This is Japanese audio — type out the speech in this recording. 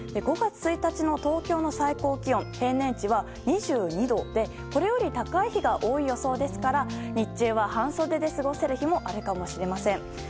５月１日の東京の最高気温平年値は２２度でこれより高い日が多い予想ですから日中は、半袖で過ごせる日もあるかもしれません。